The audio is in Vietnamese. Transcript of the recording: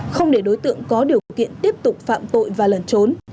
không để đối tượng có điều kiện tiếp tục phạm tội và lẩn trốn